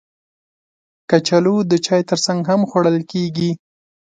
کچالو د چای ترڅنګ هم خوړل کېږي